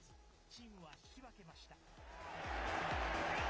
チームは引き分けました。